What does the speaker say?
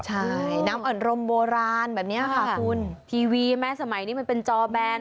ใช่น้ำอ่อนรมโบราณแบบนี้ค่ะคุณทีวีไหมสมัยนี้มันเป็นจอแบน